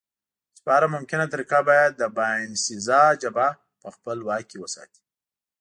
چې په هره ممکنه طریقه باید د باینسېزا جبهه په خپل واک کې وساتي.